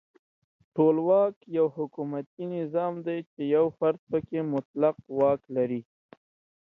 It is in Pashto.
ټولواک یو حکومتي نظام دی چې یو فرد پکې مطلق واک لري.